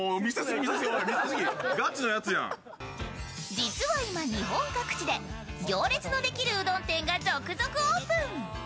実は今、日本各地で行列のできるうどん店が続々オープン。